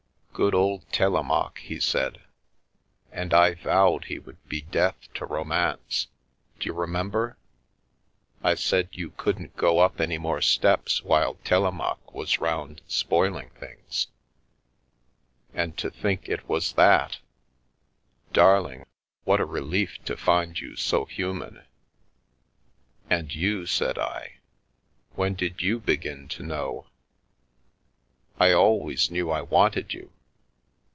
" Good old Telemaque," he said ;" and I vowed he would be death to romance! D'you remember? I said you couldn't go up any more steps while Telemaque was round spoiling things! And to think it was that — darling, what a relief to find you so human !"" And you," said I, " when did you begin to know ?"" I always knew I wanted you.